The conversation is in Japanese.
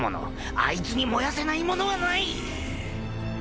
あいつに燃やせないものはない！